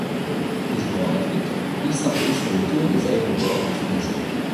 Toujours en Afrique, il s'impose sur le Tour des aéroports en Tunisie.